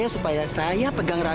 lalu akan bikin saya memohon